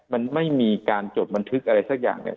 มันไม่มีการจดบันทึกอะไรสักอย่างเนี่ย